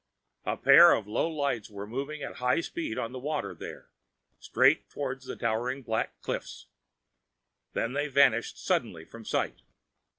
A pair of low lights were moving at high speed on the waters there, straight toward the towering black cliffs. Then they vanished suddenly from sight.